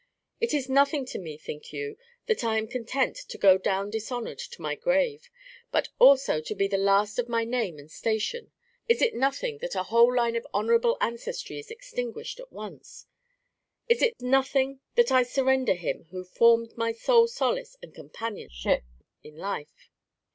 Is it nothing to me, think you, that I am content to go down dishonored to my grave, but also to be the last of my name and station? Is it nothing that a whole line of honorable ancestry is extinguished at once? Is it nothing that I surrender him who formed my sole solace and companionship in life?